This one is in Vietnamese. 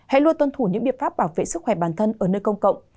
hãy luôn tuân thủ những biện pháp bảo vệ sức khỏe bản thân ở nơi công cộng